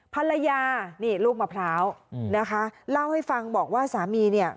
ภรรยานี่ลูกมะพร้าวนะคะเล่าให้ฟังบอกว่าสามีเนี่ย